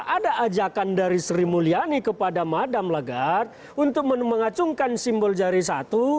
ada ajakan dari sri mulyani kepada madam lagarde untuk mengacungkan simbol jari satu